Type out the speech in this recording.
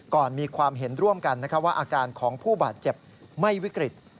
ก่อนมีความเห็นร่วมกันว่าอาการของผู้บาดเจ็บไม่วิกฤต